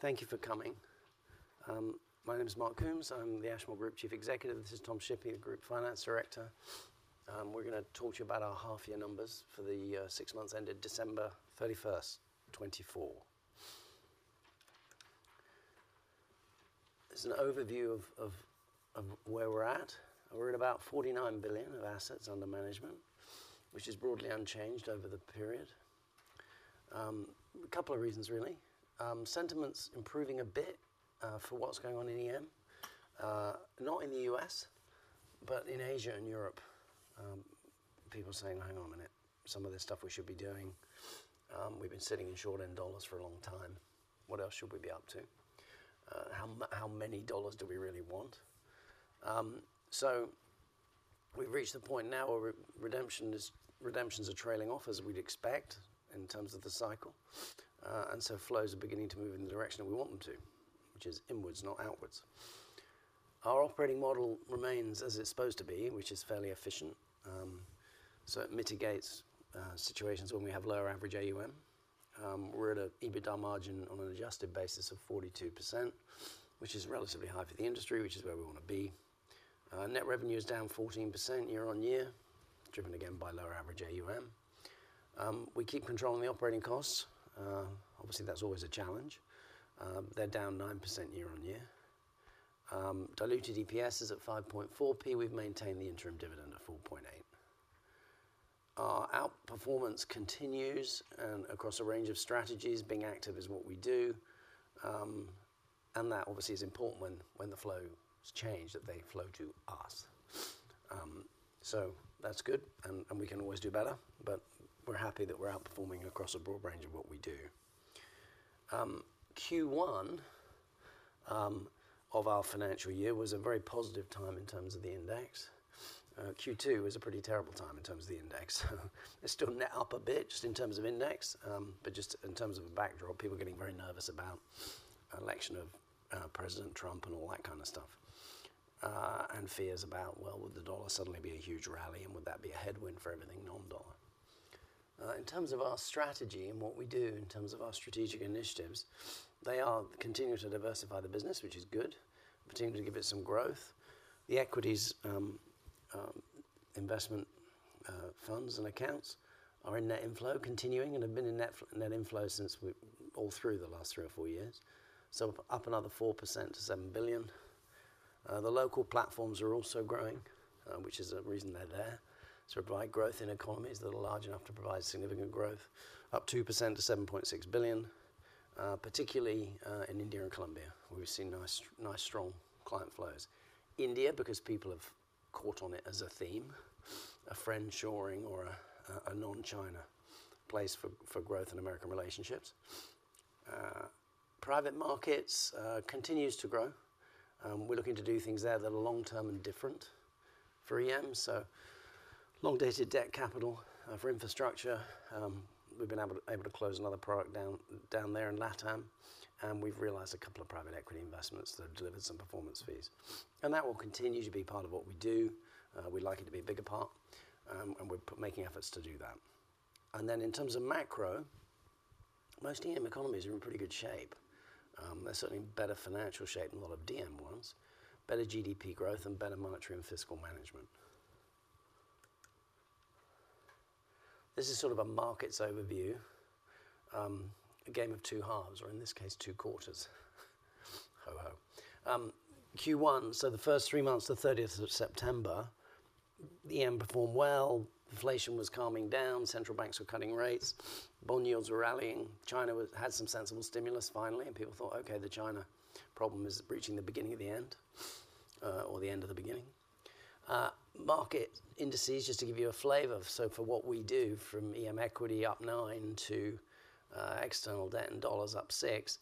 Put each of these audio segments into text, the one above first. Thank you for coming. My name is Mark Coombs. I'm the Ashmore Group Chief Executive. This is Tom Shippey, the Group Finance Director. We're going to talk to you about our half-year numbers for the six months ended December 31st, 2024. There's an overview of where we're at. We're at about $49 billion of assets under management, which is broadly unchanged over the period. A couple of reasons, really. Sentiment's improving a bit for what's going on in the EM, not in the U.S., but in Asia and Europe. People saying, "Hang on a minute. Some of this stuff we should be doing. We've been sitting in short-end dollars for a long time. What else should we be up to? How many dollars do we really want?" So we've reached the point now where redemptions are trailing off, as we'd expect, in terms of the cycle. And so flows are beginning to move in the direction we want them to, which is inwards, not outwards. Our operating model remains as it's supposed to be, which is fairly efficient. So it mitigates situations when we have lower average. We're at an EBITDA margin on an adjusted basis of 42%, which is relatively high for the industry, which is where we want to be. Net revenue is down 14% year on year, driven again by lower average. We keep control on the operating costs. Obviously, that's always a challenge. They're down 9% year on year. Diluted EPS is at 5.4p. We've maintained the interim dividend at 4.8. Our outperformance continues across a range of strategies. Being active is what we do. And that, obviously, is important when the flow's changed, that they flow to us. So that's good, and we can always do better, but we're happy that we're outperforming across a broad range of what we do. Q1 of our financial year was a very positive time in terms of the index. Q2 was a pretty terrible time in terms of the index. It's still net up a bit just in terms of index, but just in terms of a backdrop, people getting very nervous about the election of President Trump and all that kind of stuff, and fears about, well, would the dollar suddenly be a huge rally, and would that be a headwind for everything non-dollar? In terms of our strategy and what we do in terms of our strategic initiatives, they are continuing to diversify the business, which is good, continuing to give it some growth. The equities investment funds and accounts are in net inflow, continuing, and have been in net inflow all through the last three or four years, so up another 4% billion-$7 billion. The local platforms are also growing, which is a reason they're there, to provide growth in economies that are large enough to provide significant growth, up 2% billion-$7.6 billion, particularly in India and Colombia. We've seen nice, strong client flows. India, because people have caught on it as a theme, a friend-shoring or a non-China place for growth in American relationships. Private markets continue to grow. We're looking to do things there that are long-term and different for EMs, so long-dated debt capital for infrastructure. We've been able to close another product down there in LATAM, and we've realized a couple of private equity investments that have delivered some performance fees. That will continue to be part of what we do. We'd like it to be a bigger part, and we're making efforts to do that. Then in terms of macro, most EM economies are in pretty good shape. They're certainly in better financial shape than a lot of DM ones, better GDP growth, and better monetary and fiscal management. This is sort of a markets overview, a game of two halves, or in this case, two quarters. Ho ho. Q1, so the first three months, the 30th of September, EM performed well. Inflation was calming down. Central banks were cutting rates. Bond yields were rallying. China had some sensible stimulus finally, and people thought, "Okay, the China problem is reaching the beginning of the end or the end of the beginning." Market indices, just to give you a flavor of what we do from EM equity up nine to External Debt and dollars up six,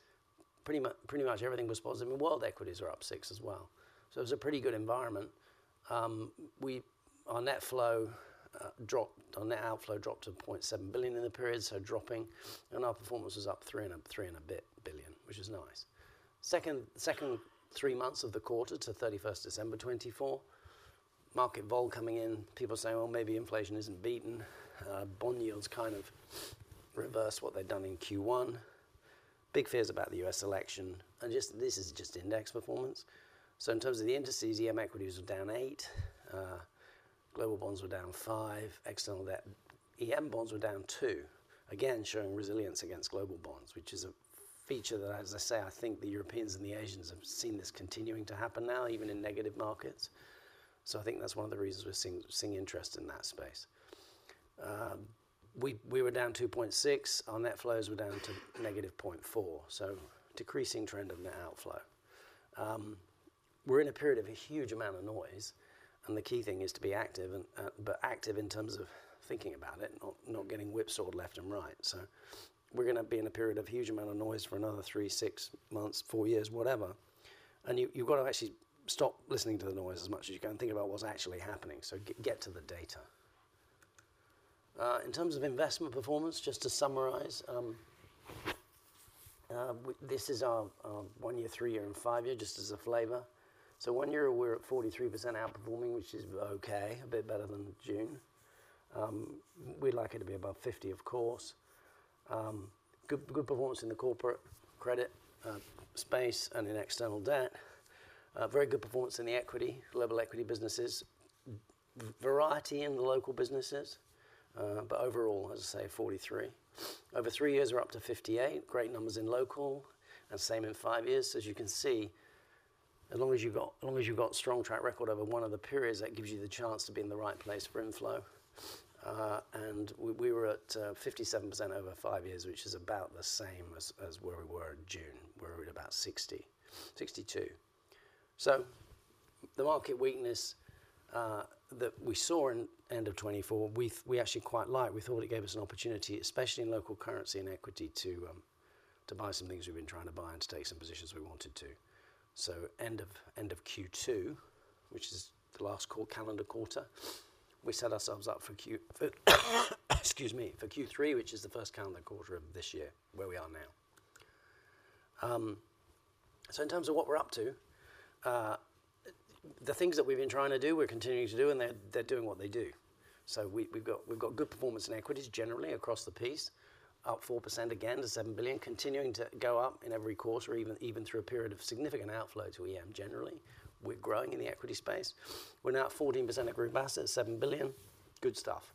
pretty much everything was positive, and world equities were up six as well. So it was a pretty good environment. Our net outflow dropped to $0.7 billion in the period, so dropping, and our performance was up three and a bit billion, which is nice. Second three months of the quarter to 31st December 2024, market vol coming in. People saying, "Well, maybe inflation isn't beaten." Bond yields kind of reversed what they'd done in Q1. Big fears about the U.S. election. And this is just index performance. So in terms of the indices, EM equities were down eight. Global bonds were down five. External debt, EM bonds were down two, again, showing resilience against global bonds, which is a feature that, as I say, I think the Europeans and the Asians have seen this continuing to happen now, even in negative markets, so I think that's one of the reasons we're seeing interest in that space. We were down 2.6. Our net flows were down to negative 0.4, so decreasing trend of net outflow. We're in a period of a huge amount of noise, and the key thing is to be active, but active in terms of thinking about it, not getting whipsawed left and right, so we're going to be in a period of huge amount of noise for another three, six months, four years, whatever, and you've got to actually stop listening to the noise as much as you can and think about what's actually happening. So get to the data. In terms of investment performance, just to summarize, this is our one-year, three-year, and five-year, just as a flavor. So one-year, we're at 43% outperforming, which is okay, a bit better than June. We'd like it to be above 50%, of course. Good performance in the corporate credit space and in external debt. Very good performance in the equity, global equity businesses. Variety in the local businesses, but overall, as I say, 43%. Over three years, we're up to 58%. Great numbers in local. And same in five years. As you can see, as long as you've got a strong track record over one of the periods, that gives you the chance to be in the right place for inflow. And we were at 57% over five years, which is about the same as where we were in June. We're at about 60, 62. So the market weakness that we saw in end of 2024, we actually quite liked. We thought it gave us an opportunity, especially in local currency and equity, to buy some things we've been trying to buy and to take some positions we wanted to. So end of Q2, which is the last calendar quarter, we set ourselves up for Q3, which is the first calendar quarter of this year, where we are now. So in terms of what we're up to, the things that we've been trying to do, we're continuing to do, and they're doing what they do. So we've got good performance in equities generally across the piece, up 4% again to $7 billion, continuing to go up in every quarter, even through a period of significant outflow to EM generally. We're growing in the equity space. We're now at 14% of group assets, $7 billion. Good stuff.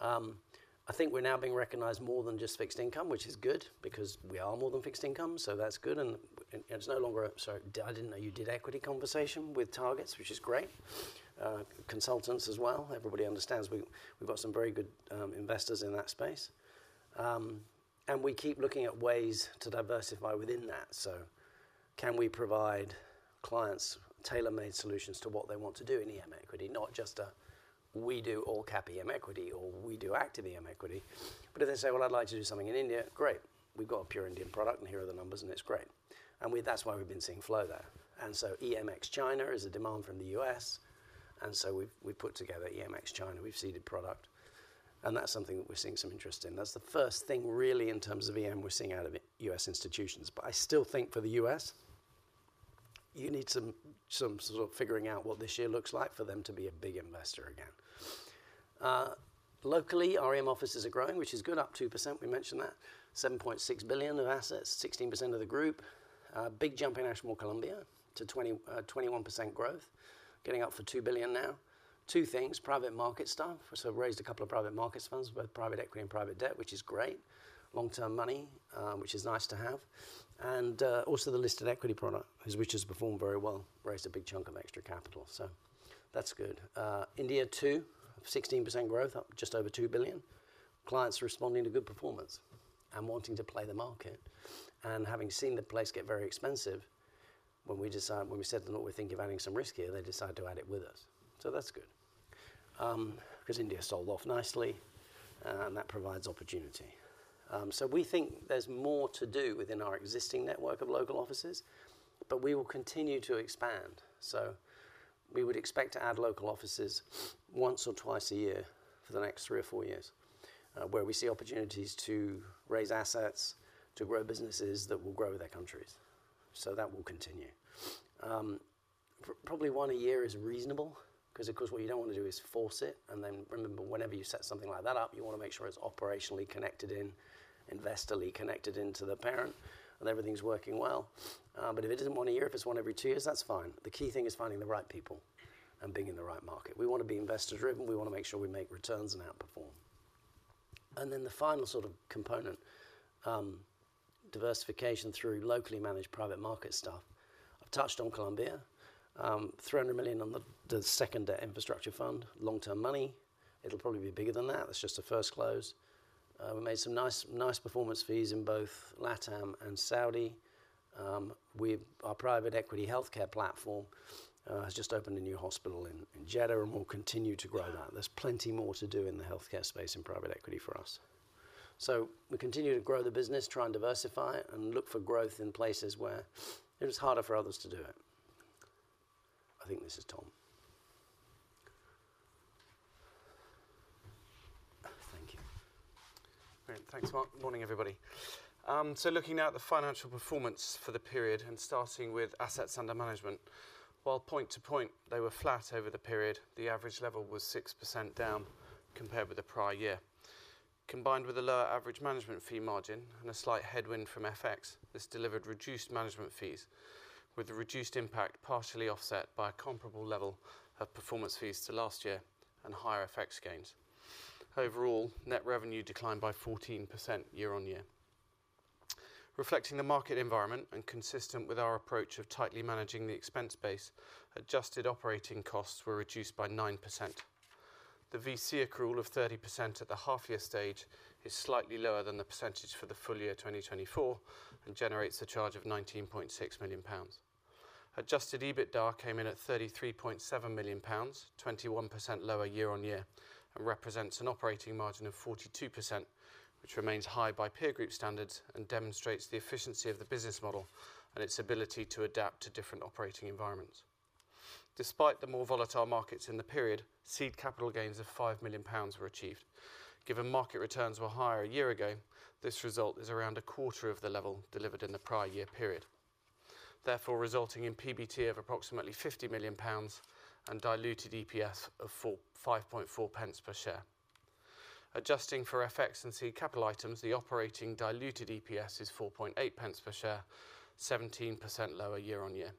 I think we're now being recognized more than just fixed income, which is good, because we are more than fixed income, so that's good. It's no longer a, "Sorry, I didn't know you did equity conversation with targets," which is great. Consultants as well. Everybody understands we've got some very good investors in that space. We keep looking at ways to diversify within that. We can provide clients tailor-made solutions to what they want to do in EM equity, not just a, "We do all-cap EM equity," or, "We do active EM equity." But if they say, "Well, I'd like to do something in India," great. We've got a pure Indian product, and here are the numbers, and it's great. That's why we've been seeing flow there. EM ex-China is a demand from the U.S. We've put together EM ex-China. We've seeded product, and that's something that we're seeing some interest in. That's the first thing, really, in terms of EM we're seeing out of U.S. institutions, but I still think for the U.S., you need some sort of figuring out what this year looks like for them to be a big investor again. Locally, our EM offices are growing, which is good, up 2%. We mentioned that. $7.6 billion of assets, 16% of the group. Big jump in Ashmore Colombia, to 21% growth, getting up to $2 billion now. Two things, private market stuff, so we've raised a couple of private markets funds with private equity and private debt, which is great. Long-term money, which is nice to have, and also the listed equity product, which has performed very well, raised a big chunk of extra capital, so that's good. India, too, 16% growth, up just over $2 billion. Clients are responding to good performance and wanting to play the market, and having seen the place get very expensive, when we said that we're thinking of adding some risk here, they decided to add it with us, so that's good, because India sold off nicely, and that provides opportunity, so we think there's more to do within our existing network of local offices, but we will continue to expand, so we would expect to add local offices once or twice a year for the next three or four years, where we see opportunities to raise assets, to grow businesses that will grow their countries, so that will continue. Probably one a year is reasonable, because, of course, what you don't want to do is force it. And then remember, whenever you set something like that up, you want to make sure it's operationally connected in, investorly connected into the parent, and everything's working well. But if it isn't one a year, if it's one every two years, that's fine. The key thing is finding the right people and being in the right market. We want to be investor-driven. We want to make sure we make returns and outperform. And then the final sort of component, diversification through locally managed private market stuff. I've touched on Colombia. $300 million on the second infrastructure fund, long-term money. It'll probably be bigger than that. That's just the first close. We made some nice performance fees in both LATAM and Saudi. Our private equity healthcare platform has just opened a new hospital in Jeddah, and we'll continue to grow that. There's plenty more to do in the healthcare space in private equity for us. So we continue to grow the business, try and diversify, and look for growth in places where it was harder for others to do it. I think this is Tom. Thank you. Great. Thanks, Mark. Morning, everybody. So looking at the financial performance for the period and starting with assets under management, while point to point, they were flat over the period. The average level was 6% down compared with the prior year. Combined with a lower average management fee margin and a slight headwind from FX, this delivered reduced management fees, with the reduced impact partially offset by a comparable level of performance fees to last year and higher FX gains. Overall, net revenue declined by 14% year on year. Reflecting the market environment and consistent with our approach of tightly managing the expense base, adjusted operating costs were reduced by 9%. The VC accrual of 30% at the half-year stage is slightly lower than the percentage for the full year 2024 and generates a charge of 19.6 million pounds. Adjusted EBITDA came in at 33.7 million pounds, 21% lower year on year, and represents an operating margin of 42%, which remains high by peer group standards and demonstrates the efficiency of the business model and its ability to adapt to different operating environments. Despite the more volatile markets in the period, seed capital gains of 5 million pounds were achieved. Given market returns were higher a year ago, this result is around a quarter of the level delivered in the prior year period, therefore resulting in PBT of approximately 50 million pounds and diluted EPS of 5.4 pence per share. Adjusting for FX and seed capital items, the operating diluted EPS is 4.8 pence per share, 17% lower year on year.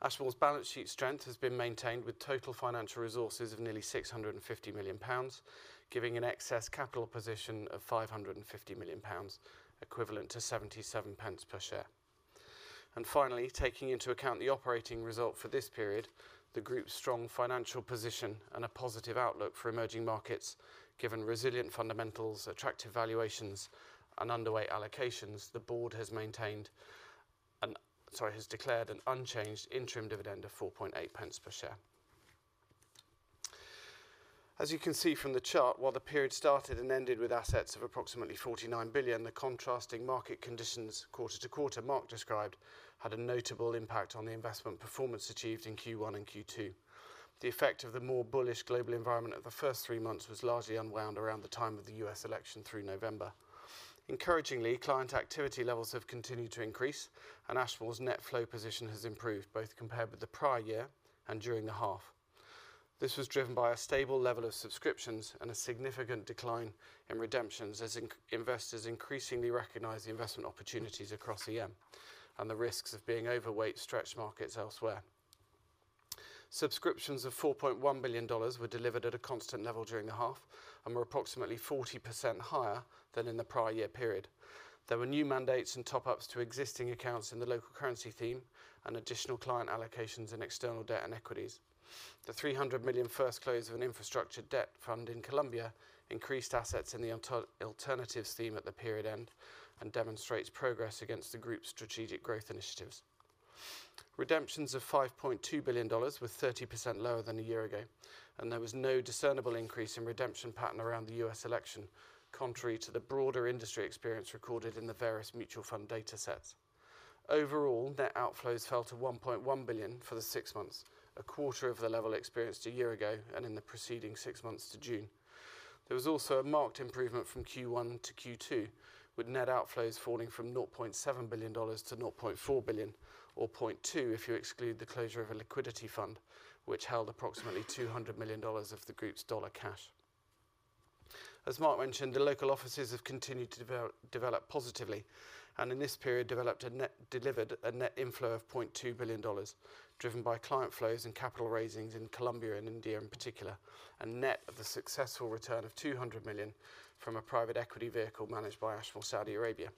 Ashmore's balance sheet strength has been maintained with total financial resources of nearly 650 million pounds, giving an excess capital position of 550 million pounds, equivalent to 0.77 per share. And finally, taking into account the operating result for this period, the group's strong financial position and a positive outlook for emerging markets, given resilient fundamentals, attractive valuations, and underweight allocations, the board has declared an unchanged interim dividend of 4.8 pence per share. As you can see from the chart, while the period started and ended with assets of approximately $49 billion, the contrasting market conditions, quarter to quarter, Mark described, had a notable impact on the investment performance achieved in Q1 and Q2. The effect of the more bullish global environment of the first three months was largely unwound around the time of the U.S. election through November. Encouragingly, client activity levels have continued to increase, and Ashmore's net flow position has improved, both compared with the prior year and during the half. This was driven by a stable level of subscriptions and a significant decline in redemptions, as investors increasingly recognize the investment opportunities across EM and the risks of being overweight stretch markets elsewhere. Subscriptions of $4.1 billion were delivered at a constant level during the half and were approximately 40% higher than in the prior year period. There were new mandates and top-ups to existing accounts in the local currency theme and additional client allocations in external debt and equities. The $300 million first close of an infrastructure debt fund in Colombia increased assets in the alternatives theme at the period end and demonstrates progress against the group's strategic growth initiatives. Redemptions of $5.2 billion were 30% lower than a year ago, and there was no discernible increase in redemption pattern around the U.S. election, contrary to the broader industry experience recorded in the various mutual fund data sets. Overall, net outflows fell to $1.1 billion for the six months, a quarter of the level experienced a year ago and in the preceding six months to June. There was also a marked improvement from Q1 to Q2, with net outflows falling from $0.7 billion-$0.4 billion, or $0.2 billion if you exclude the closure of a liquidity fund, which held approximately $200 million of the group's dollar cash. As Mark mentioned, the local offices have continued to develop positively and in this period delivered a net inflow of $0.2 billion, driven by client flows and capital raisings in Colombia and India in particular, and net of a successful return of $200 million from a private equity vehicle managed by Ashmore Saudi Arabia.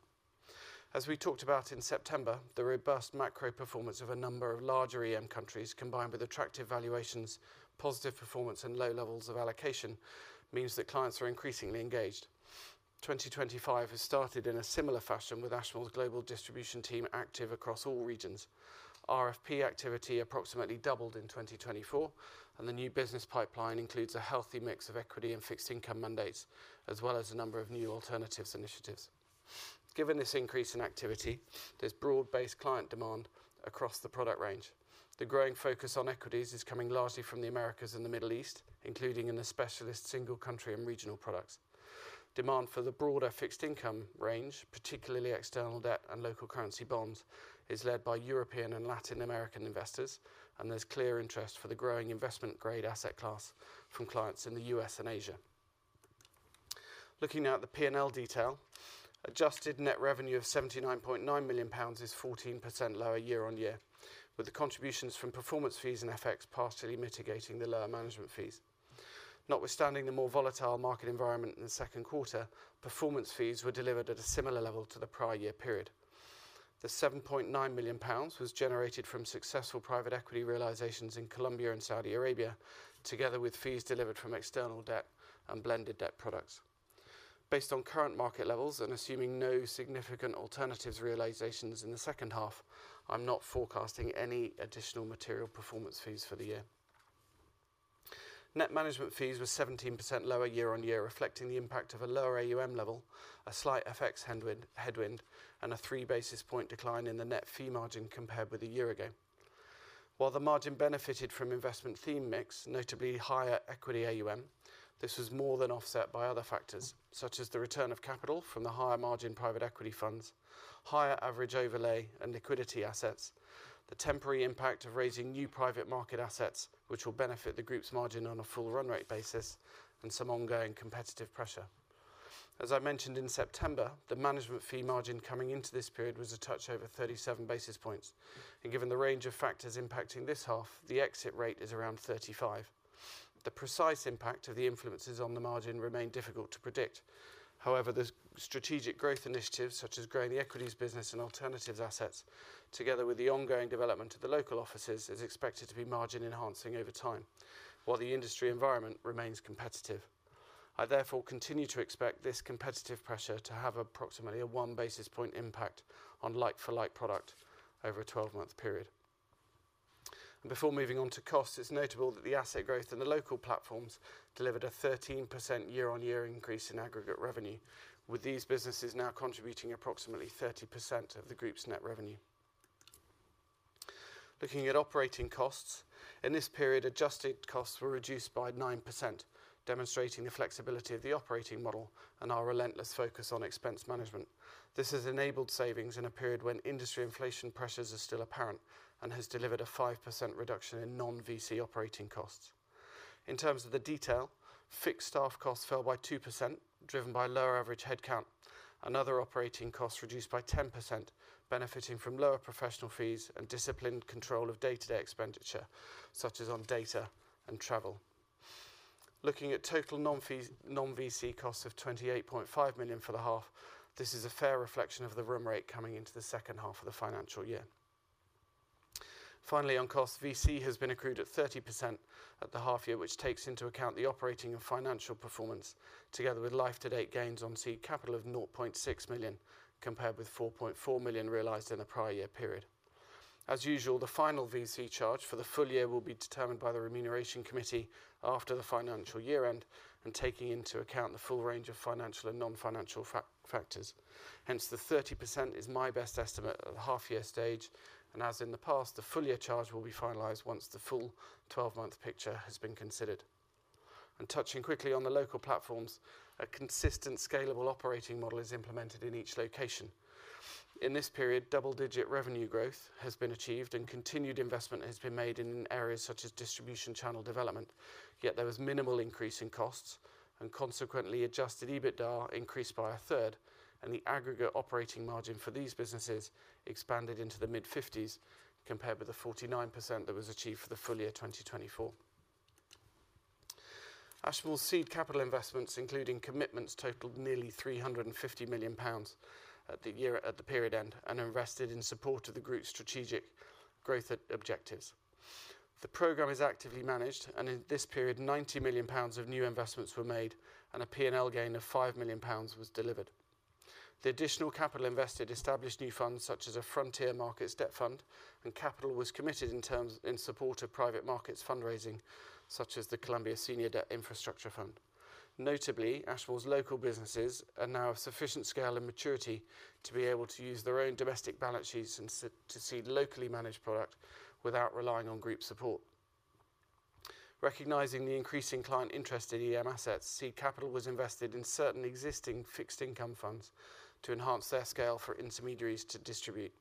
As we talked about in September, the robust macro performance of a number of larger EM countries, combined with attractive valuations, positive performance, and low levels of allocation, means that clients are increasingly engaged. 2025 has started in a similar fashion, with Ashmore's global distribution team active across all regions. RFP activity approximately doubled in 2024, and the new business pipeline includes a healthy mix of equity and fixed income mandates, as well as a number of new alternatives initiatives. Given this increase in activity, there's broad-based client demand across the product range. The growing focus on equities is coming largely from the Americas and the Middle East, including in the specialist single country and regional products. Demand for the broader fixed income range, particularly external debt and local currency bonds, is led by European and Latin American investors, and there's clear interest for the growing investment-grade asset class from clients in the U.S. and Asia. Looking at the P&L detail, adjusted net revenue of 79.9 million pounds is 14% lower year on year, with the contributions from performance fees and FX partially mitigating the lower management fees. Notwithstanding the more volatile market environment in the second quarter, performance fees were delivered at a similar level to the prior year period. The 7.9 million pounds was generated from successful private equity realizations in Colombia and Saudi Arabia, together with fees delivered from external debt and Blended debt products. Based on current market levels and assuming no significant alternatives realizations in the second half, I'm not forecasting any additional material performance fees for the year. Net management fees were 17% lower year on year, reflecting the impact of a lower AUM level, a slight FX headwind, and a three basis points decline in the net fee margin compared with a year ago. While the margin benefited from investment theme mix, notably higher equity AUM, this was more than offset by other factors, such as the return of capital from the higher margin private equity funds, higher average overlay and liquidity assets, the temporary impact of raising new private market assets, which will benefit the group's margin on a full run rate basis, and some ongoing competitive pressure. As I mentioned in September, the management fee margin coming into this period was a touch over 37 basis points. And given the range of factors impacting this half, the exit rate is around 35. The precise impact of the influences on the margin remained difficult to predict. However, the strategic growth initiatives, such as growing the equities business and alternative assets, together with the ongoing development of the local offices, is expected to be margin-enhancing over time, while the industry environment remains competitive. I therefore continue to expect this competitive pressure to have approximately a one basis point impact on like-for-like product over a 12-month period. Before moving on to costs, it's notable that the asset growth and the local platforms delivered a 13% year-on-year increase in aggregate revenue, with these businesses now contributing approximately 30% of the group's net revenue. Looking at operating costs, in this period, adjusted costs were reduced by 9%, demonstrating the flexibility of the operating model and our relentless focus on expense management. This has enabled savings in a period when industry inflation pressures are still apparent and has delivered a 5% reduction in non-VC operating costs. In terms of the detail, fixed staff costs fell by 2%, driven by lower average headcount, and other operating costs reduced by 10%, benefiting from lower professional fees and disciplined control of day-to-day expenditure, such as on data and travel. Looking at total non-VC costs of $28.5 million for the half, this is a fair reflection of the run rate coming into the second half of the financial year. Finally, on costs, VC has been accrued at 30% at the half-year, which takes into account the operating and financial performance, together with life-to-date gains on seed capital of $0.6 million, compared with $4.4 million realized in the prior year period. As usual, the final VC charge for the full year will be determined by the remuneration committee after the financial year-end and taking into account the full range of financial and non-financial factors. Hence, the 30% is my best estimate of the half-year stage, and as in the past, the full year charge will be finalized once the full 12-month picture has been considered, and touching quickly on the local platforms, a consistent scalable operating model is implemented in each location. In this period, double-digit revenue growth has been achieved, and continued investment has been made in areas such as distribution channel development, yet there was minimal increase in costs, and consequently, adjusted EBITDA increased by a third, and the aggregate operating margin for these businesses expanded into the mid-50s compared with the 49% that was achieved for the full year 2024. Ashmore's seed capital investments, including commitments, totaled nearly 350 million pounds at year-end at the period end and invested in support of the group's strategic growth objectives. The program is actively managed, and in this period, 90 million pounds of new investments were made, and a P&L gain of 5 million pounds was delivered. The additional capital invested established new funds such as a frontier markets debt fund, and capital was committed in terms of support of private markets fundraising, such as the Colombia Senior Debt Infrastructure Fund. Notably, Ashmore's local businesses are now of sufficient scale and maturity to be able to use their own domestic balance sheets and to seed locally managed product without relying on group support. Recognizing the increasing client interest in EM assets, seed capital was invested in certain existing fixed income funds to enhance their scale for intermediaries to distribute.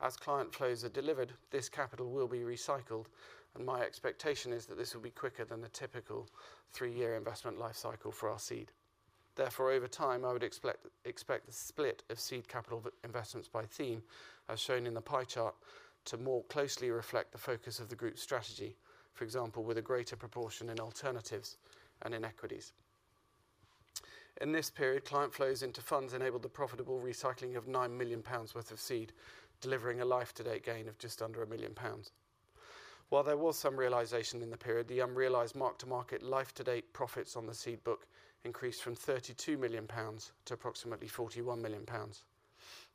As client flows are delivered, this capital will be recycled, and my expectation is that this will be quicker than the typical three-year investment life cycle for our seed. Therefore, over time, I would expect the split of seed capital investments by theme, as shown in the pie chart, to more closely reflect the focus of the group's strategy, for example, with a greater proportion in alternatives and in equities. In this period, client flows into funds enabled the profitable recycling of 9 million pounds worth of seed, delivering a life-to-date gain of just under 1 million pounds. While there was some realisation in the period, the unrealised mark-to-market life-to-date profits on the seed book increased from 32 million pounds to approximately 41 million pounds.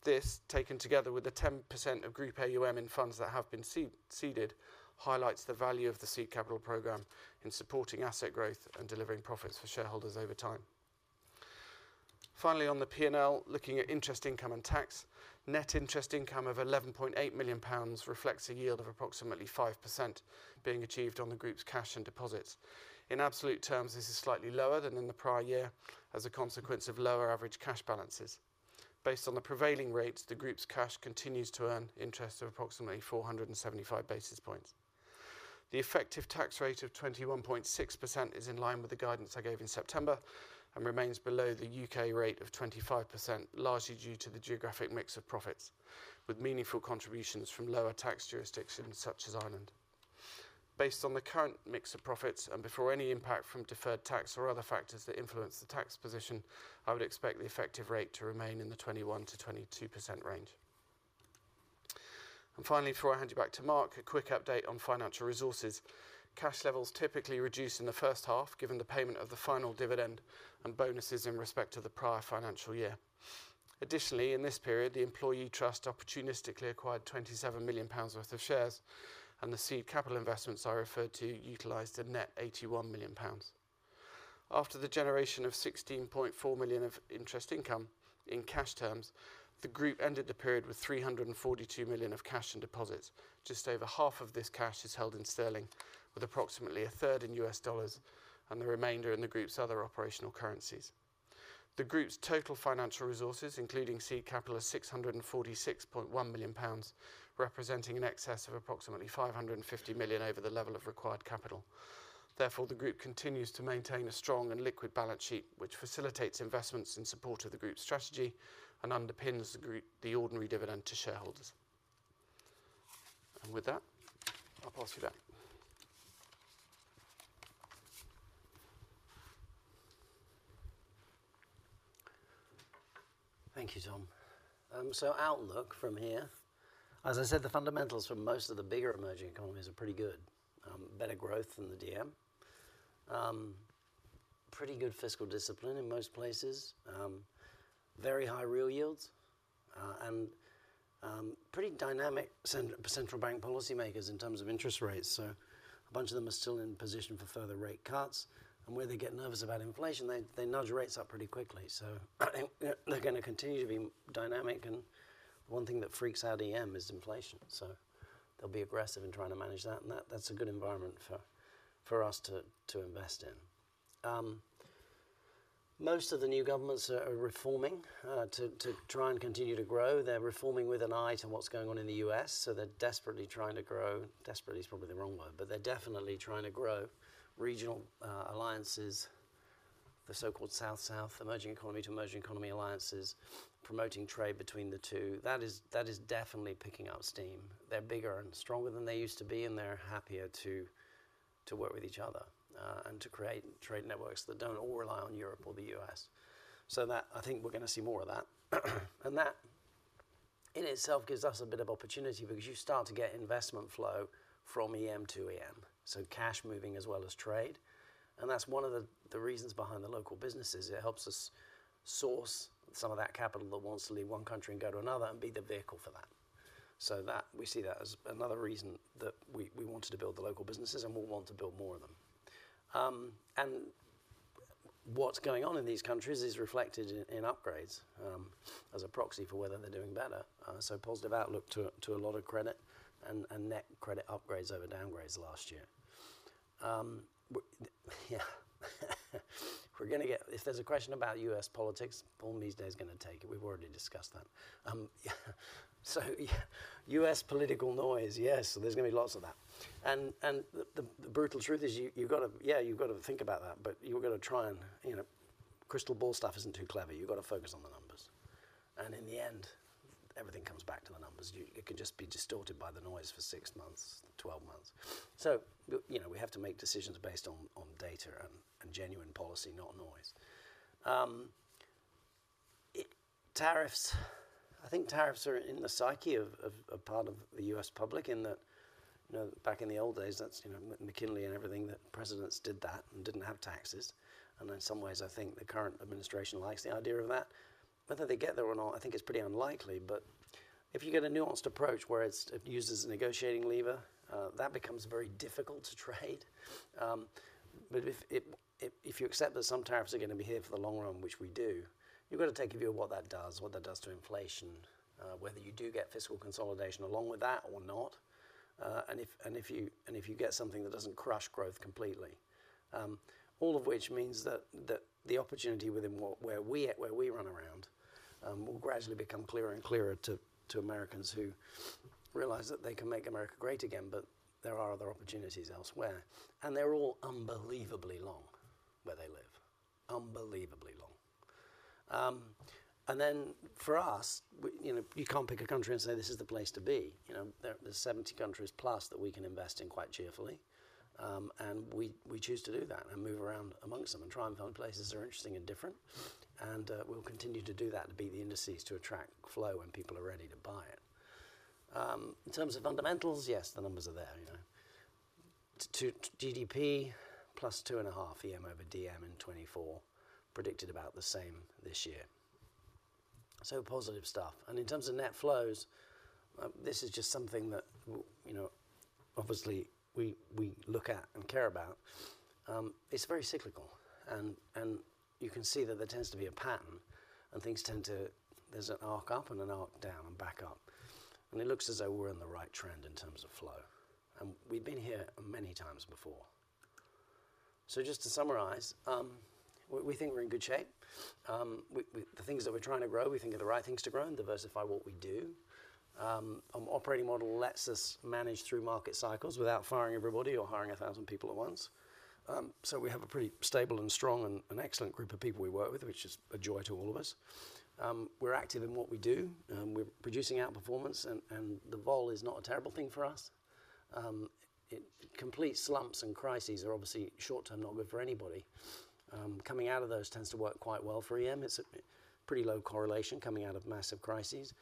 This, taken together with the 10% of group AUM in funds that have been seeded, highlights the value of the seed capital program in supporting asset growth and delivering profits for shareholders over time. Finally, on the P&L, looking at interest income and tax, net interest income of 11.8 million pounds reflects a yield of approximately 5% being achieved on the group's cash and deposits. In absolute terms, this is slightly lower than in the prior year as a consequence of lower average cash balances. Based on the prevailing rates, the group's cash continues to earn interest of approximately 475 basis points. The effective tax rate of 21.6% is in line with the guidance I gave in September and remains below the U.K. rate of 25%, largely due to the geographic mix of profits, with meaningful contributions from lower tax jurisdictions such as Ireland. Based on the current mix of profits and before any impact from deferred tax or other factors that influence the tax position, I would expect the effective rate to remain in the 21%-22% range. And finally, before I hand you back to Mark, a quick update on financial resources. Cash levels typically reduce in the first half, given the payment of the final dividend and bonuses in respect to the prior financial year. Additionally, in this period, the employee trust opportunistically acquired 27 million pounds worth of shares, and the seed capital investments I referred to utilized a net 81 million pounds. After the generation of 16.4 million of interest income in cash terms, the group ended the period with 342 million of cash and deposits. Just over half of this cash is held in sterling, with approximately a third in U.S. dollars and the remainder in the group's other operational currencies. The group's total financial resources, including seed capital, are 646.1 million pounds, representing an excess of approximately 550 million over the level of required capital. Therefore, the group continues to maintain a strong and liquid balance sheet, which facilitates investments in support of the group's strategy and underpins the ordinary dividend to shareholders. And with that, I'll pass you back. Thank you, Tom. So outlook from here, as I said, the fundamentals for most of the bigger emerging economies are pretty good, better growth than the DM, pretty good fiscal discipline in most places, very high real yields, and pretty dynamic central bank policymakers in terms of interest rates. So a bunch of them are still in position for further rate cuts, and where they get nervous about inflation, they nudge rates up pretty quickly. So they're going to continue to be dynamic, and one thing that freaks out EM is inflation. So they'll be aggressive in trying to manage that, and that's a good environment for us to invest in. Most of the new governments are reforming to try and continue to grow. They're reforming with an eye to what's going on in the U.S., so they're desperately trying to grow, desperately is probably the wrong word, but they're definitely trying to grow regional alliances, the so-called South-South emerging economy to emerging economy alliances, promoting trade between the two. That is definitely picking up steam. They're bigger and stronger than they used to be, and they're happier to work with each other and to create trade networks that don't all rely on Europe or the U.S. So I think we're going to see more of that. And that in itself gives us a bit of opportunity because you start to get investment flow from EM to EM, so cash moving as well as trade. And that's one of the reasons behind the local businesses. It helps us source some of that capital that wants to leave one country and go to another and be the vehicle for that. So we see that as another reason that we wanted to build the local businesses and we'll want to build more of them. And what's going on in these countries is reflected in upgrades as a proxy for whether they're doing better. So positive outlook to a lot of credit and net credit upgrades over downgrades last year. Yeah, we're going to get, if there's a question about U.S. politics, Paul Measday is going to take it. We've already discussed that. So U.S. political noise, yes, there's going to be lots of that. And the brutal truth is you've got to, yeah, you've got to think about that, but you've got to try and, you know, crystal ball stuff isn't too clever. You've got to focus on the numbers. And in the end, everything comes back to the numbers. You can just be distorted by the noise for six months, 12 months. So we have to make decisions based on data and genuine policy, not noise. Tariffs, I think tariffs are in the psyche of part of the U.S. public in that back in the old days, that's McKinley and everything, that presidents did that and didn't have taxes. And in some ways, I think the current administration likes the idea of that. Whether they get there or not, I think it's pretty unlikely, but if you get a nuanced approach where it uses a negotiating lever, that becomes very difficult to trade. But if you accept that some tariffs are going to be here for the long run, which we do, you've got to take a view of what that does, what that does to inflation, whether you do get fiscal consolidation along with that or not, and if you get something that doesn't crush growth completely. All of which means that the opportunity where we run around will gradually become clearer and clearer to Americans who realize that they can make America great again, but there are other opportunities elsewhere, and they're all unbelievably long where they live, unbelievably long, and then for us, you can't pick a country and say this is the place to be. There's 70 countries plus that we can invest in quite cheerfully, and we choose to do that and move around among them and try and find places that are interesting and different. We'll continue to do that to beat the indices to attract flow when people are ready to buy it. In terms of fundamentals, yes, the numbers are there. GDP plus two and a half EM over DM in 2024 predicted about the same this year. Positive stuff. In terms of net flows, this is just something that obviously we look at and care about. It's very cyclical, and you can see that there tends to be a pattern, and things tend to, there's an arc up and an arc down and back up. It looks as though we're in the right trend in terms of flow, and we've been here many times before. Just to summarize, we think we're in good shape. The things that we're trying to grow, we think are the right things to grow and diversify what we do. Operating model lets us manage through market cycles without firing everybody or hiring a thousand people at once. So we have a pretty stable and strong and excellent group of people we work with, which is a joy to all of us. We're active in what we do. We're producing outperformance, and the vol is not a terrible thing for us. Complete slumps and crises are obviously short-term, not good for anybody. Coming out of those tends to work quite well for EM. It's a pretty low correlation coming out of massive crises,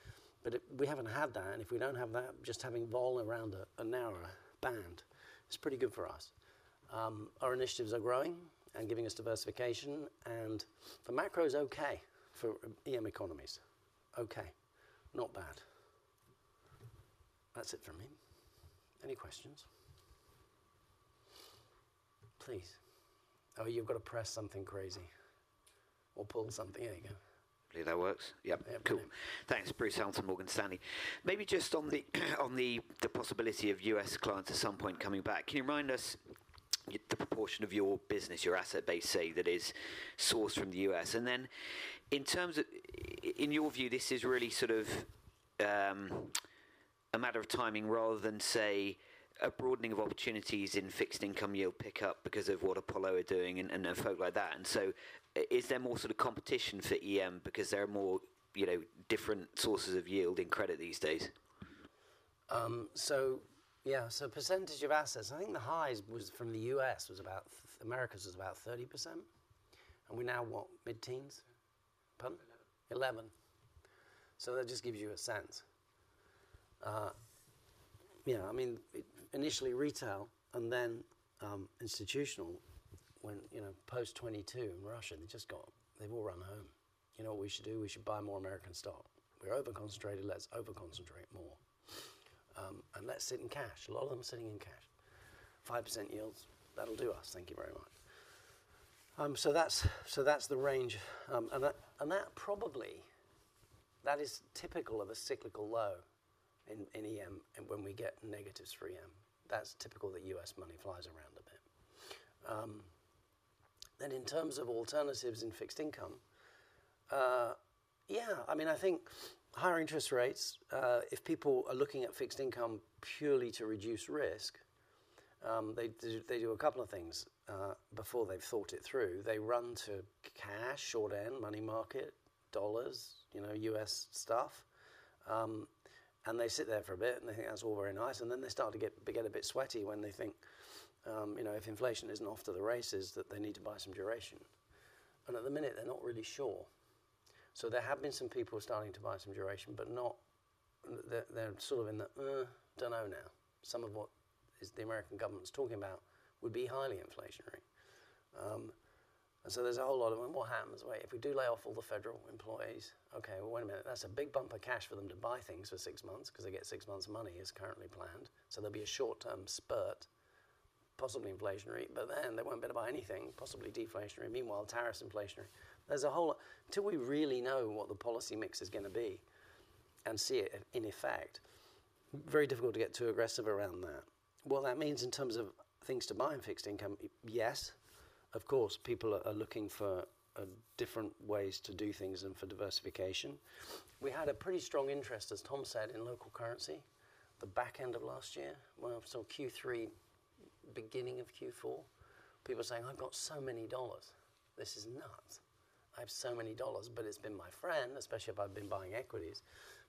but we haven't had that. And if we don't have that, just having vol around a narrower band is pretty good for us. Our initiatives are growing and giving us diversification, and the macro is okay for EM economies, okay, not bad. That's it from me. Any questions? Please. Oh, you've got to press something crazy or pull something. There you go. That works. Yep, cool. Thanks, Bruce Hamilton, Morgan Stanley. Maybe just on the possibility of U.S. clients at some point coming back, can you remind us the proportion of your business, your asset base, say, that is sourced from the US? And then in your view, this is really sort of a matter of timing rather than, say, a broadening of opportunities in fixed income yield pickup because of what Apollo are doing and folk like that. And so is there more sort of competition for EM because there are more different sources of yield in credit these days? Percentage of assets, I think the highest was from the Americas was about 30%, and we're now what, mid-teens 11. So that just gives you a sense. Yeah, I mean, initially retail and then institutional post 2022 in Russia, they just got, they've all run home. You know what we should do? We should buy more American stock. We're overconcentrated, let's overconcentrate more. And let's sit in cash. A lot of them are sitting in cash. 5% yields, that'll do us, thank you very much. So that's the range. And that probably, that is typical of a cyclical low in EM when we get negatives for EM. That's typical that U.S. money flies around a bit. Then in terms of alternatives in fixed income, yeah, I mean, I think higher interest rates, if people are looking at fixed income purely to reduce risk, they do a couple of things before they've thought it through. They run to cash, short-end, money market, dollars, U.S. stuff, and they sit there for a bit and they think that's all very nice, and then they start to get a bit sweaty when they think if inflation isn't off to the races that they need to buy some duration, and at the minute, they're not really sure, so there have been some people starting to buy some duration, but not, they're sort of in the, don't know now. Some of what the American government's talking about would be highly inflationary, and so there's a whole lot of, well, what happens? Wait, if we do lay off all the federal employees, okay, well, wait a minute, that's a big bump of cash for them to buy things for six months because they get six months of money as currently planned. So there'll be a short-term spurt, possibly inflationary, but then they won't be able to buy anything, possibly deflationary. Meanwhile, tariffs inflationary. There's a whole, until we really know what the policy mix is going to be and see it in effect, very difficult to get too aggressive around that. What that means in terms of things to buy in fixed income, yes, of course, people are looking for different ways to do things and for diversification. We had a pretty strong interest, as Tom said, in local currency, the back end of last year, well, so Q3, beginning of Q4, people saying, "I've got so many dollars. This is nuts. I have so many dollars, but it's been my friend, especially if I've been buying equities."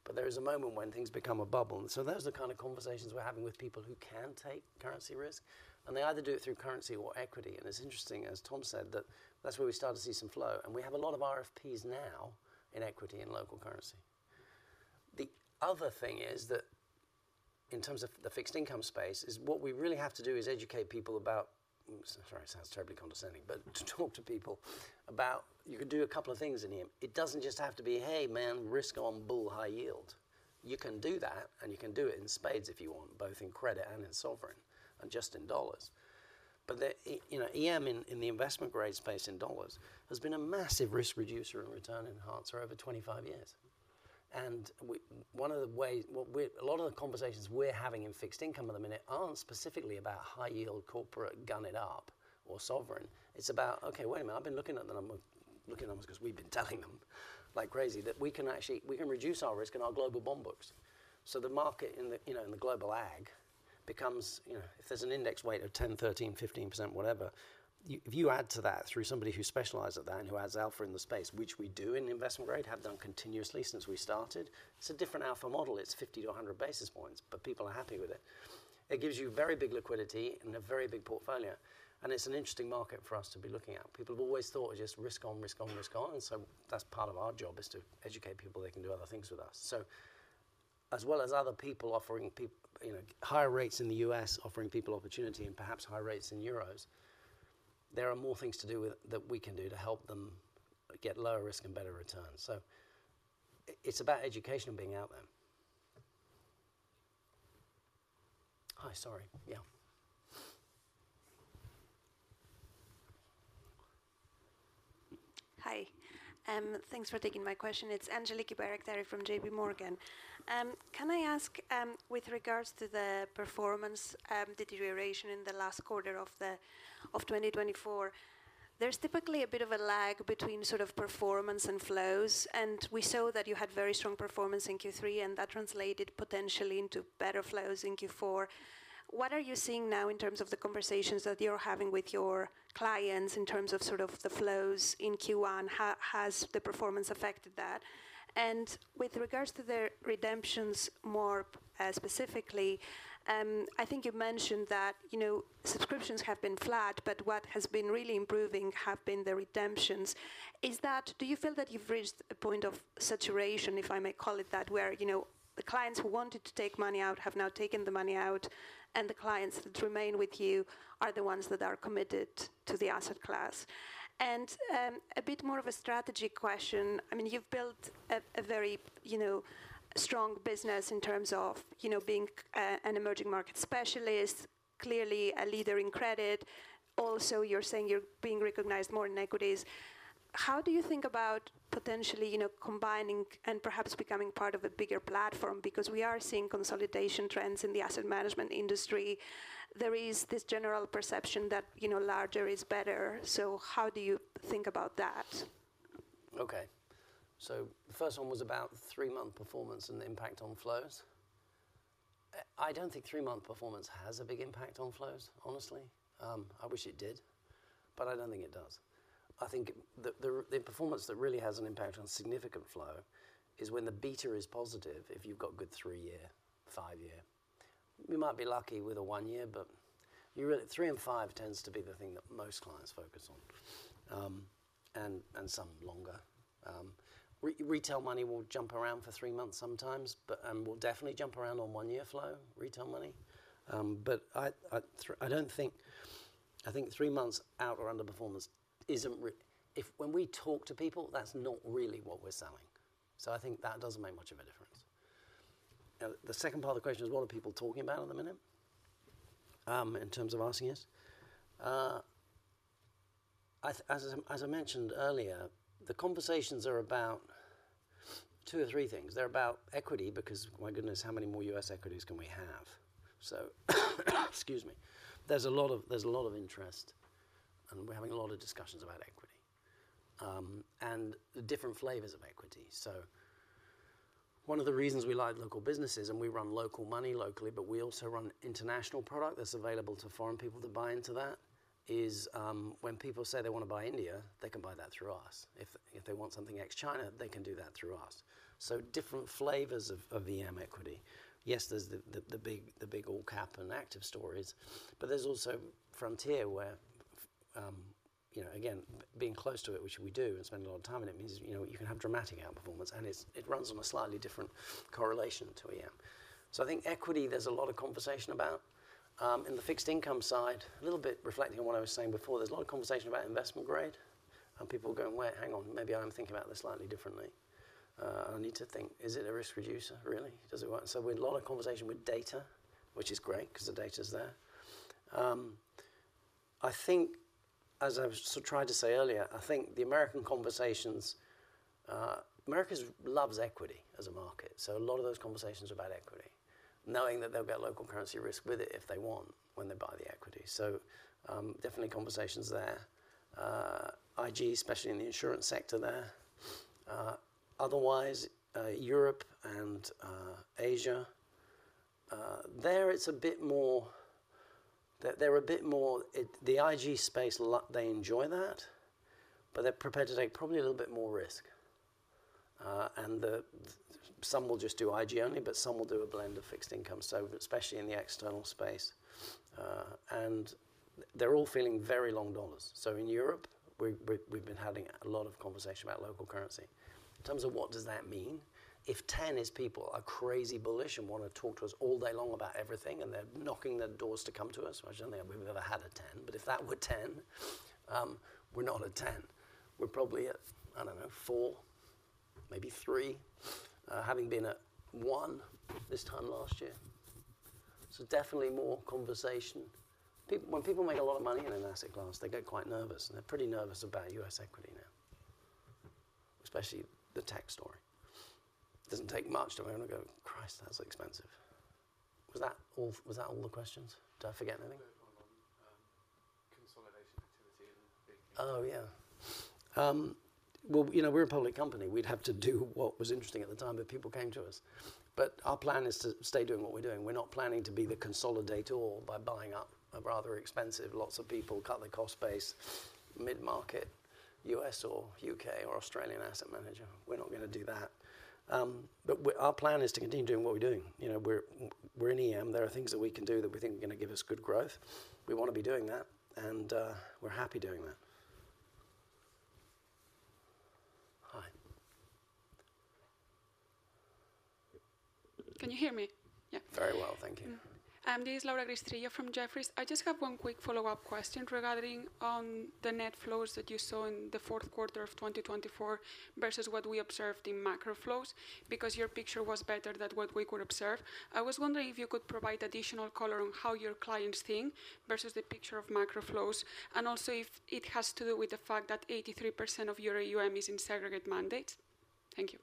But there is a moment when things become a bubble. And so those are the kind of conversations we're having with people who can take currency risk, and they either do it through currency or equity. It's interesting, as Tom said, that that's where we start to see some flow, and we have a lot of RFPs now in equity and local currency. The other thing is that in terms of the fixed income space, what we really have to do is educate people about, sorry, it sounds terribly condescending, but to talk to people about, you can do a couple of things in here. It doesn't just have to be, "Hey man, risk on bull high yield." You can do that, and you can do it in spades if you want, both in credit and in sovereign and just in dollars. EM in the investment grade space in dollars has been a massive risk reducer and return enhancer over 25 years. And one of the ways, a lot of the conversations we're having in fixed income at the minute aren't specifically about high yield corporate gone up or sovereign. It's about, "Okay, wait a minute, I've been looking at the numbers, looking at numbers because we've been telling them like crazy that we can reduce our risk in our global bond books." So the market in the Global Agg becomes, if there's an index weight of 10, 13, 15%, whatever, if you add to that through somebody who specializes at that and who adds alpha in the space, which we do in investment grade, have done continuously since we started, it's a different alpha model. It's 50-100 basis points, but people are happy with it. It gives you very big liquidity and a very big portfolio, and it's an interesting market for us to be looking at. People have always thought it's just risk on, risk on, risk on, and so that's part of our job, is to educate people they can do other things with us, so as well as other people offering higher rates in the U.S., offering people opportunity and perhaps higher rates in euros, there are more things to do that we can do to help them get lower risk and better returns, so it's about education being out there. Hi, sorry, yeah. Hi, thanks for taking my question. It's Angeliki Bairaktari from JPMorgan. Can I ask with regards to the performance, the deterioration in the last quarter of 2024, there's typically a bit of a lag between sort of performance and flows, and we saw that you had very strong performance in Q3, and that translated potentially into better flows in Q4. What are you seeing now in terms of the conversations that you're having with your clients in terms of sort of the flows in Q1? Has the performance affected that? And with regards to the redemptions more specifically, I think you mentioned that subscriptions have been flat, but what has been really improving have been the redemptions. Is that, do you feel that you've reached a point of saturation, if I may call it that, where the clients who wanted to take money out have now taken the money out, and the clients that remain with you are the ones that are committed to the asset class, and a bit more of a strategy question. I mean, you've built a very strong business in terms of being an emerging market specialist, clearly a leader in credit. Also, you're saying you're being recognized more in equities. How do you think about potentially combining and perhaps becoming part of a bigger platform? Because we are seeing consolidation trends in the asset management industry. There is this general perception that larger is better, so how do you think about that? Okay, so the first one was about three-month performance and the impact on flows. I don't think three-month performance has a big impact on flows, honestly. I wish it did, but I don't think it does. I think the performance that really has an impact on significant flow is when the beta is positive, if you've got good three-year, five-year. You might be lucky with a one-year, but three and five tends to be the thing that most clients focus on, and some longer. Retail money will jump around for three months sometimes, and will definitely jump around on one-year flow, retail money. But I think three months out or underperformance isn't, when we talk to people, that's not really what we're selling. So I think that doesn't make much of a difference. The second part of the question is, what are people talking about at the minute in terms of asking us? As I mentioned earlier, the conversations are about two or three things. They're about equity because, my goodness, how many more U.S. equities can we have? So, excuse me. There's a lot of interest, and we're having a lot of discussions about equity and the different flavors of equity. So one of the reasons we like local businesses, and we run local money locally, but we also run international product that's available to foreign people to buy into that, is when people say they want to buy India, they can buy that through us. If they want something ex-China, they can do that through us. So different flavors of EM equity. Yes, there's the big all-cap and active stories, but there's also frontier where, again, being close to it, which we do and spend a lot of time in it, means you can have dramatic outperformance, and it runs on a slightly different correlation to EM. So I think equity, there's a lot of conversation about. In the fixed income side, a little bit reflecting on what I was saying before, there's a lot of conversation about investment grade, and people are going, "Wait, hang on, maybe I'm thinking about this slightly differently." I need to think, is it a risk reducer, really? Does it work? So we have a lot of conversation with data, which is great because the data's there. I think, as I was trying to say earlier, I think the American conversations, America loves equity as a market, so a lot of those conversations are about equity, knowing that they'll get local currency risk with it if they want when they buy the equity. So definitely conversations there. IG, especially in the insurance sector there. Otherwise, Europe and Asia, there it's a bit more, they're a bit more, the IG space, they enjoy that, but they're prepared to take probably a little bit more risk. And some will just do IG only, but some will do a blend of fixed income, especially in the external space. And they're all feeling very long dollars. So in Europe, we've been having a lot of conversation about local currency. In terms of what does that mean? If 10 is people are crazy bullish and want to talk to us all day long about everything and they're knocking their doors to come to us, I don't think we've ever had a 10, but if that were 10, we're not a 10. We're probably at, I don't know, four, maybe three, having been at one this time last year. So definitely more conversation. When people make a lot of money in an asset class, they get quite nervous, and they're pretty nervous about U.S. equity now, especially the tech story. Doesn't take much to go, "Christ, that's expensive." Was that all the questions? Did I forget anything? Consolidation activity and big things. Oh yeah. We're a public company. We'd have to do what was interesting at the time if people came to us. Our plan is to stay doing what we're doing. We're not planning to be the consolidator by buying up a rather expensive, lots of people, cut the cost base, mid-market U.S. or U.K. or Australian asset manager. We're not going to do that. Our plan is to continue doing what we're doing. We're in E.M. There are things that we can do that we think are going to give us good growth. We want to be doing that, and we're happy doing that. Hi. Can you hear me? Yeah. Very well, thank you. This is Laura Castillo from Jefferies. I just have one quick follow-up question regarding the net flows that you saw in the fourth quarter of 2024 versus what we observed in macro flows because your picture was better than what we could observe. I was wondering if you could provide additional color on how your clients think versus the picture of macro flows, and also if it has to do with the fact that 83% of your AUM is in segregated mandates. Thank you.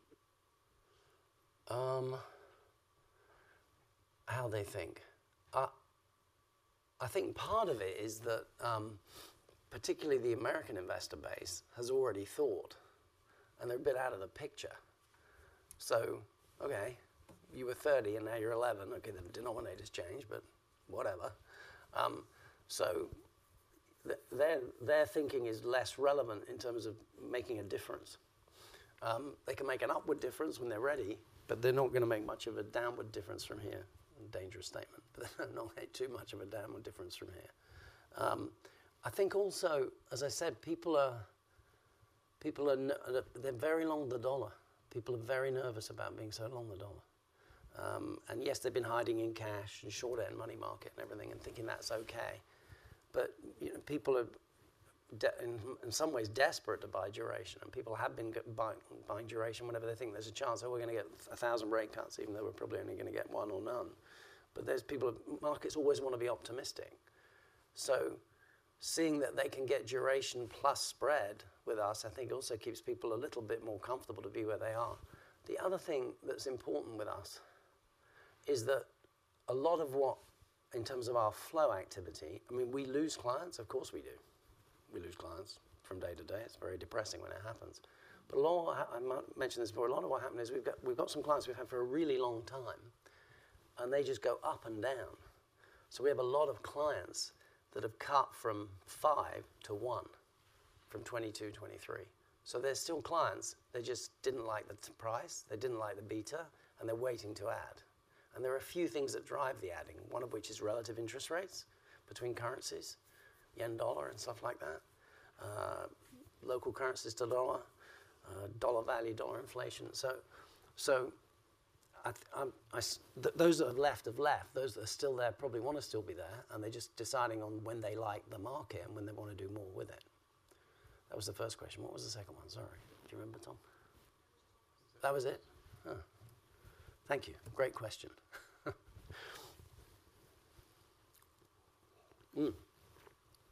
How they think. I think part of it is that particularly the American investor base has already thought, and they're a bit out of the picture. So, okay, you were 30 and now you're 11. Okay, the denominator's changed, but whatever. So their thinking is less relevant in terms of making a difference. They can make an upward difference when they're ready, but they're not going to make much of a downward difference from here. Dangerous statement. They're not going to make too much of a downward difference from here. I think also, as I said, people are very long the dollar. People are very nervous about being so long the dollar. And yes, they've been hiding in cash and short end money market and everything and thinking that's okay. But people are in some ways desperate to buy duration, and people have been buying duration whenever they think there's a chance that we're going to get a thousand rate cuts, even though we're probably only going to get one or none. But markets always want to be optimistic. So seeing that they can get duration plus spread with us, I think also keeps people a little bit more comfortable to be where they are. The other thing that's important with us is that a lot of what in terms of our flow activity, I mean, we lose clients, of course we do. We lose clients from day to day. It's very depressing when it happens. But a lot of what I mentioned this before, a lot of what happened is we've got some clients we've had for a really long time, and they just go up and down. We have a lot of clients that have cut from five to one from 2022, 2023. So there's still clients. They just didn't like the price. They didn't like the beta, and they're waiting to add. And there are a few things that drive the adding, one of which is relative interest rates between currencies, Yen dollar and stuff like that, local currencies to dollar, dollar value, dollar inflation. So those that have left have left. Those that are still there probably want to still be there, and they're just deciding on when they like the market and when they want to do more with it. That was the first question. What was the second one? Sorry, do you remember, Tom? That was it? Thank you. Great question.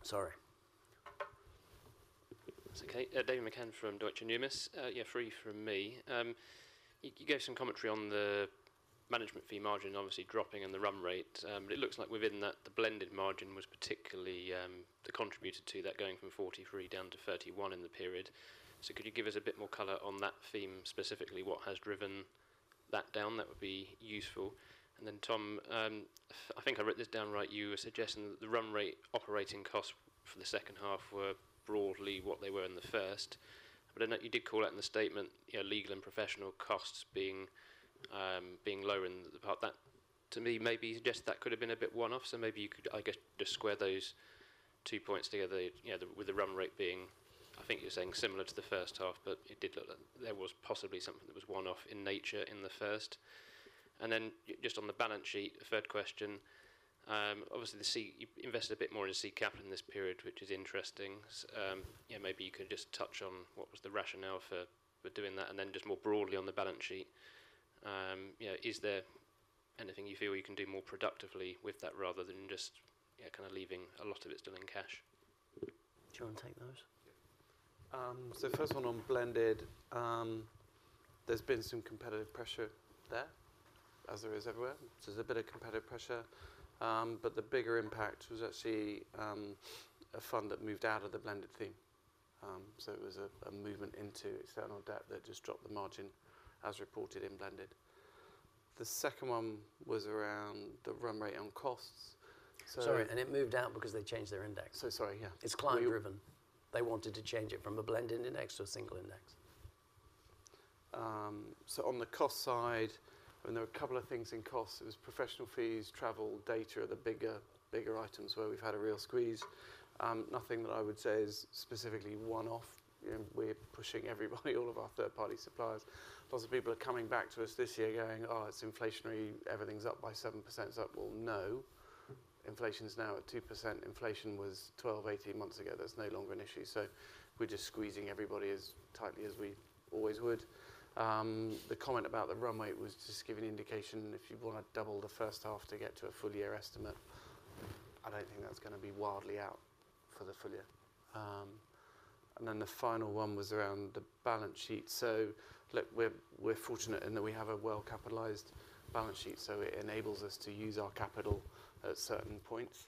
Sorry. David McCann from Deutsche Numis. Yeah, three from me. You gave some commentary on the management fee margin obviously dropping and the run rate, but it looks like within that, the blended margin was particularly contributed to that going from 43 down to 31 in the period. So could you give us a bit more color on that theme specifically, what has driven that down? That would be useful. And then Tom, I think I wrote this down right. You were suggesting that the run rate operating costs for the second half were broadly what they were in the first. But I know you did call out in the statement legal and professional costs being low in the part. That to me maybe suggests that could have been a bit one-off. So maybe you could, I guess, just square those two points together with the run rate being, I think you're saying similar to the first half, but it did look like there was possibly something that was one-off in nature in the first. And then just on the balance sheet, third question, obviously you invested a bit more in seed capital in this period, which is interesting. Maybe you could just touch on what was the rationale for doing that, and then just more broadly on the balance sheet. Is there anything you feel you can do more productively with that rather than just kind of leaving a lot of it still in cash? Do you want to take those? Yeah. So first one on blended, there's been some competitive pressure there, as there is everywhere. So there's a bit of competitive pressure, but the bigger impact was actually a fund that moved out of the blended theme. So it was a movement into external debt that just dropped the margin as reported in blended. The second one was around the run rate on costs. Sorry, and it moved out because they changed their index. So sorry, yeah. It's client-driven. They wanted to change it from a blended index to a single index. So on the cost side, I mean, there were a couple of things in costs. It was professional fees, travel, data are the bigger items where we've had a real squeeze. Nothing that I would say is specifically one-off. We're pushing everybody, all of our third-party suppliers. Lots of people are coming back to us this year going, "Oh, it's inflationary. Everything's up by 7%." Well, no. Inflation's now at 2%. Inflation was 12, 18 months ago. That's no longer an issue. So we're just squeezing everybody as tightly as we always would. The comment about the run rate was just giving an indication if you want to double the first half to get to a full-year estimate. I don't think that's going to be wildly out for the full year. And then the final one was around the balance sheet. So look, we're fortunate in that we have a well-capitalized balance sheet, so it enables us to use our capital at certain points.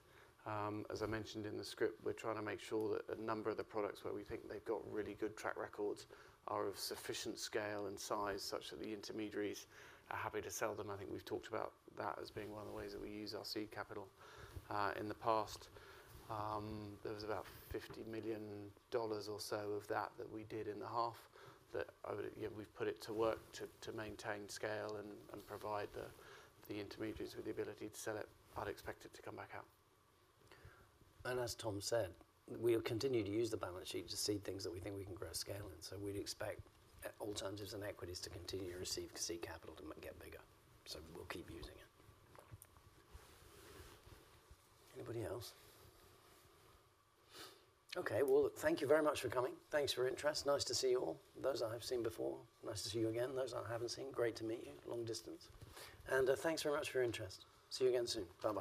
As I mentioned in the script, we're trying to make sure that a number of the products where we think they've got really good track records are of sufficient scale and size such that the intermediaries are happy to sell them. I think we've talked about that as being one of the ways that we use our seed capital in the past. There was about $50 million or so of that that we did in the half that we've put it to work to maintain scale and provide the intermediaries with the ability to sell it, expecting to come back out. And as Tom said, we'll continue to use the balance sheet to see things that we think we can grow scale in. So we'd expect alternatives and equities to continue to receive seed capital to get bigger. So we'll keep using it. Anybody else? Okay, well, thank you very much for coming. Thanks for your interest. Nice to see you all. Those I have seen before. Nice to see you again. Those I haven't seen. Great to meet you. Long distance. And thanks very much for your interest. See you again soon. Bye-bye.